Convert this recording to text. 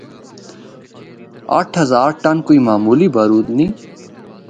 اٹھ ہزار ٹن کوئی معمولی بارود نیں۔